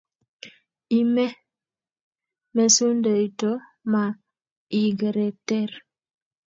Ime mesundeito, ma i kereter